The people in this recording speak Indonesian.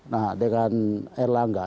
nah dengan r langga